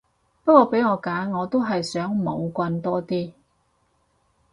不過俾我揀我都係想冇棍多啲